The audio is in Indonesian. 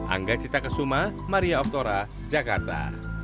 angga cita kesuma maria oktora jakarta